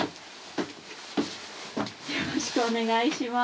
よろしくお願いします。